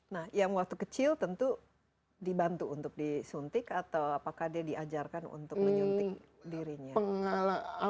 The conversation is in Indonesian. nah yang waktu kecil tentu dibantu untuk disuntik atau apakah dia diajarkan untuk menyuntik dirinya